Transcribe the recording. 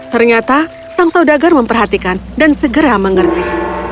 ternyata sang saudagar memperhatikan dan segera mengerti